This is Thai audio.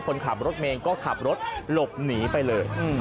คนขับรถเมย์ก็ขับรถหลบหนีไปเลย